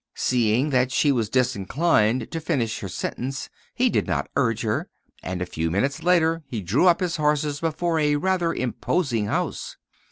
Seeing that she was disinclined to finish her sentence, he did not urge her; and a few minutes later he drew up his horses before a rather imposing house.